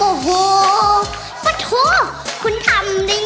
อารมณ์เสียอารมณ์เสียอารมณ์เสีย